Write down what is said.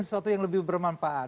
sesuatu yang lebih bermanfaat